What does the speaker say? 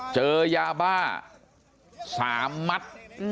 เจอยาบ้า๓มัด